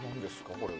これは。